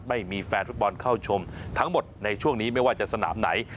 ไม่มีแฟนฟุตบอลเข้าชมทั้งหมดในช่วงนี้ไม่ว่าจะสนามไหน